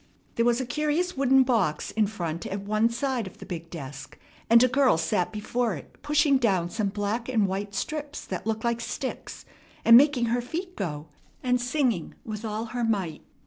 There was a curious wooden box in front at one side of, the big desk, and a girl sat before it pushing down some black and white strips that looked like sticks, and making her feet go, and singing with all her might.